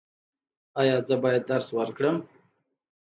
ایا زه باید درس ورکړم؟